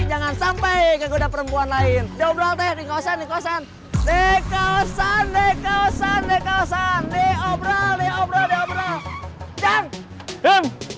jangan sampai kegoda perempuan lain jomblo teh di kawasan di kawasan di kawasan di kawasan di